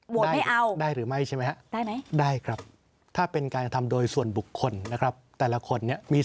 โหวนไม่เอาได้หรือไม่ใช่ไหมครับได้ไหมได้ครับได้